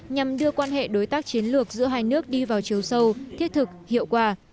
nhằm đưa quan hệ đối tác chiến lược giữa hai nước đi vào chiều sâu thiết thực hiệu quả